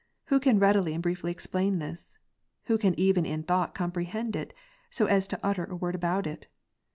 Who can readily and briefly explain this ? Who can even in thought comprehend it, so as to utter a word about it